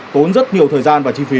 tốn rất nhiều thời gian và chi phí